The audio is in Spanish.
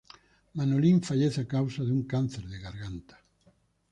Manolín fallece a causa de un cáncer de garganta.